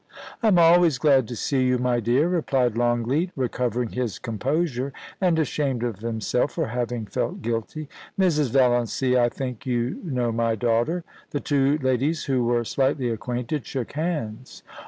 * I am always glad to see you, my dear,' replied Longleat, recovering his composure, and ashamed of himself for having felt guilty. * Mrs. Valiancy, I think you know my daughter.* The two ladies, who were slightly acquainted, shook hands.